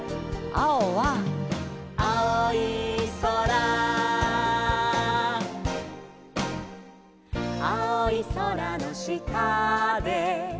「あおいそら」「あおいそらのしたで」